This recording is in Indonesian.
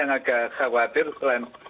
agak khawatir selain